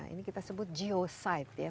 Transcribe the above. ini kita sebut geocide ya